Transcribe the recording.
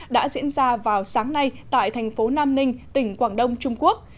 đã diễn ra vào sáng nay tại thành phố nam ninh tỉnh quảng đông trung quốc